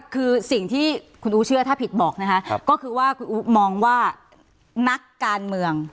คือสิ่งที่คุณอู๋เชื่อถ้าผิดบอกนะคะก็คือว่าคุณอู๋มองว่านักการเมือง